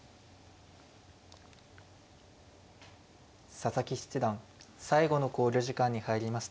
佐々木七段最後の考慮時間に入りました。